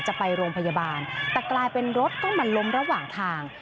จะไปโรงพยาบาลแต่กลายเป็นรถต้องมาล้มระหว่างทาง